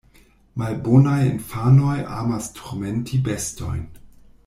Malbonaj infanoj amas turmenti bestojn.